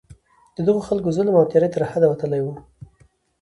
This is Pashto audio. د دغو خلکو ظلم او تېری تر حده وتلی وو.